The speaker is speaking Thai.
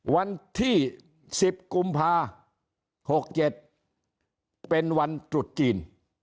วันที่๑๐กุมภา๖๗เป็นวันตรุษจีน